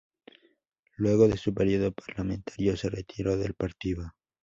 Luego de su período parlamentario se retiró del partido.